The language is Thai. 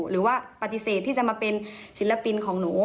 หรือว่าปฏิเสธที่จะมาเป็นศิลปินของหนู